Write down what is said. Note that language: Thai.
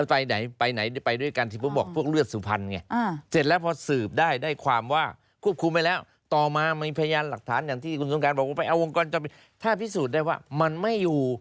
ถ้าพิสูจน์ได้ว่ามันไม่อยู่